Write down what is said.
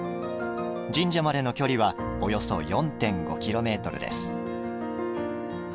神社までの距離はおよそ４．５キロメートルです。